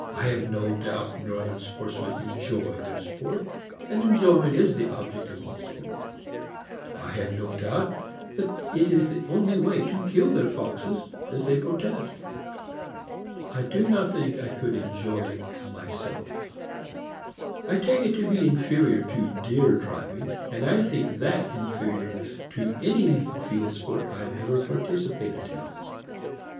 I have no doubt Northern sports men enjoy their sport; and enjoyment is the object of all sport. I have no doubt that it is the only way to kill their foxes, as they protest. I do not think I could enjoy it myself. THE FOXHOUND. 195 I take it to be inferior to deer driving, and I think that infe rior to any field sport I ever participated in.